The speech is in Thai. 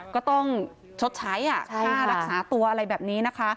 ก็ต้องชดใช้ค่ารักษาตัวอะไรแบบนี้นะคะ